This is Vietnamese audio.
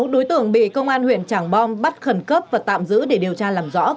sáu đối tượng bị công an huyện trảng bom bắt khẩn cấp và tạm giữ để điều tra làm rõ